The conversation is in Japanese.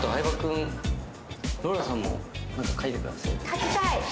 描きたい！